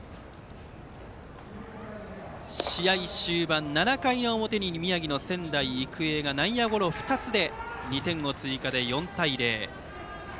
試合終盤７回の表に宮城の仙台育英が内野ゴロ２つで２点追加して４対０。